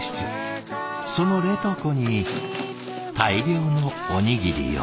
その冷凍庫に大量のおにぎりを。